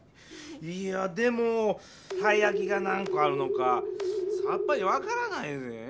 いやでもたいやきが何こあるのかさっぱりわからないぜぇ？